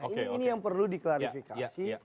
ini yang perlu diklarifikasi